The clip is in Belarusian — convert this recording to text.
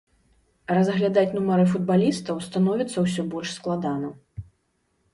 Разглядаць нумары футбалістаў становіцца ўсё больш складана.